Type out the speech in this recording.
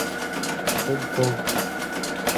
こんこん